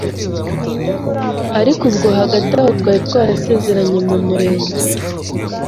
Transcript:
ariko ubwo hagati aho twari twarasezeranye mu murenge,